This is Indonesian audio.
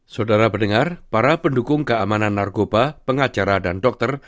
saudara berdengar para pendukung keamanan nargoba pengacara dan dokter